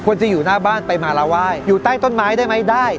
จะอยู่หน้าบ้านไปมาแล้วไหว้อยู่ใต้ต้นไม้ได้ไหมได้